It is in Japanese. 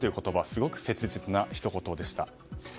すごく切実なひと言でした。